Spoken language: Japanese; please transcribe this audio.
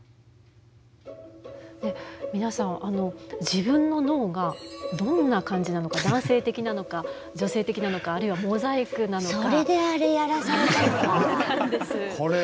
皆さん自分の脳がどんな感じなのか男性的なのか女性的なのかあるいはモザイクなのか。